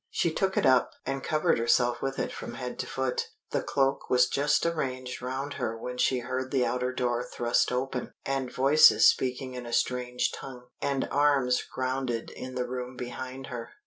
She took it up, and covered herself with it from head to foot. The cloak was just arranged round her when she heard the outer door thrust open, and voices speaking in a strange tongue, and arms grounded in the room behind her.